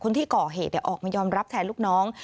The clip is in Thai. คนที่ก่อเหตุออกมายอมรับแทนลูกน้อง